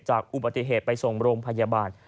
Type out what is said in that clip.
อุบัติเหตุไปส่งโรงพยาบาล